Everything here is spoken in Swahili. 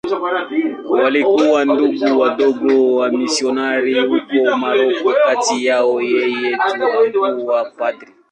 Walikuwa Ndugu Wadogo wamisionari huko Moroko.Kati yao yeye tu hakuwa padri.